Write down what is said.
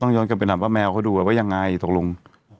ต้องย้อนกันไปถามป้าแมวเขาดูว่าว่ายังไงตกลง